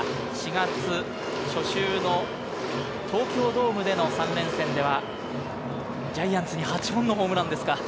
４月初週の東京ドームでの３連戦ではジャイアンツに８本のホームランですか。